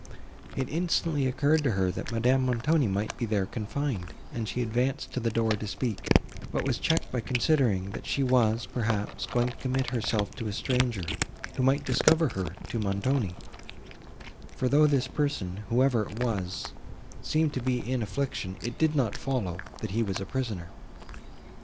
It instantly occurred to her, that Madame Montoni might be there confined, and she advanced to the door to speak, but was checked by considering, that she was, perhaps, going to commit herself to a stranger, who might discover her to Montoni; for, though this person, whoever it was, seemed to be in affliction, it did not follow, that he was a prisoner.